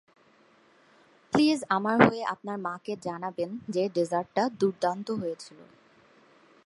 Please আমার হয়ে আপনার মাকে জানাবেন যে ডেজার্টটা দুর্দান্ত হয়েছিল।